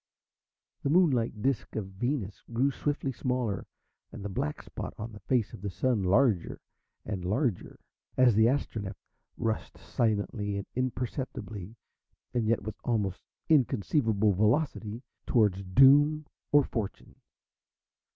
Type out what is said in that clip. The moon like disc of Venus grew swiftly smaller, and the black spot on the face of the Sun larger and larger as the Astronef rushed silently and imperceptibly, and yet with almost inconceivable velocity towards doom or fortune.